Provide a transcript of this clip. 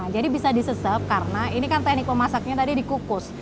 jadi bisa disesep karena ini kan teknik memasaknya tadi dikukus